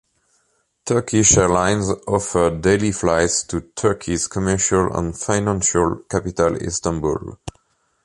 Turkish Airlines offer daily flights to Turkey's commercial and financial capital Istanbul.